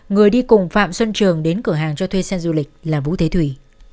người đi cùng phạm xuân trường đến cửa hàng cho thuê xe du lịch là vũ thế thủy